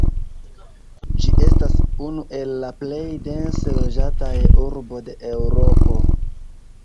Ĝi estas unu el la plej dense loĝataj urbo de Eŭropo.